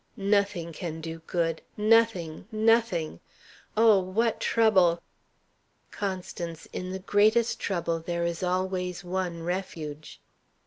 "Nothing can do good: nothing, nothing. Oh, what trouble!" "Constance, in the greatest trouble there is always one Refuge."